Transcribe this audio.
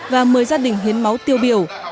và một mươi gia đình hiến máu tiêu biểu